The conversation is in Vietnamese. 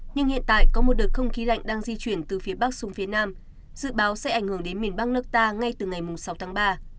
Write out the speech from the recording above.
nhưng hiện tại có một đợt không khí lạnh đang di chuyển từ phía bắc xuống phía nam dự báo sẽ ảnh hưởng đến miền bắc nước ta ngay từ ngày sáu tháng ba